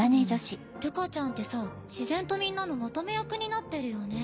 ルカちゃんってさ自然とみんなのまとめ役になってるよね。